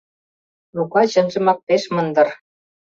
Лука чынжымак пеш мындыр.